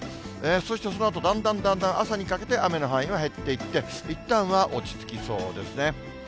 そしてそのあと、だんだんだんだん朝にかけて、雨の範囲が減っていって、いったんは落ち着きそうですね。